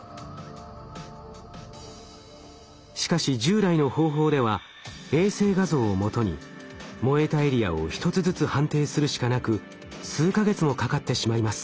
しかし従来の方法では衛星画像をもとに燃えたエリアを一つずつ判定するしかなく数か月もかかってしまいます。